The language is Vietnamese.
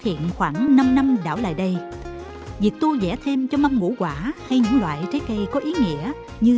hiện khoảng năm năm đảo lại đây việc tu rẻ thêm cho mâm ngũ quả hay những loại trái cây có ý nghĩa như